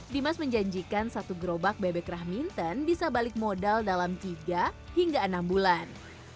dimas menjanjikan satu gerobak bebek rahminton bisa balik modal dalam tiga hingga enam bulan